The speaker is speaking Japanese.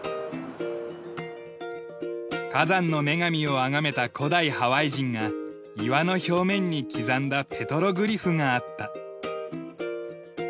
火山の女神をあがめた古代ハワイ人が岩の表面に刻んだペトログリフがあった。